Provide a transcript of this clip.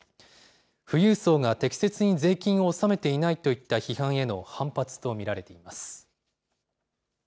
富裕層が適切に税金を納めていないといった批判への反発と見られています。